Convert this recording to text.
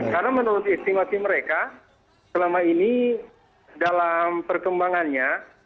karena menurut estimasi mereka selama ini dalam perkembangannya